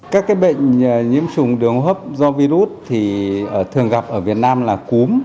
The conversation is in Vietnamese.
các cái bệnh nhiễm chủng đường hô hấp do virus thì thường gặp ở việt nam là cúm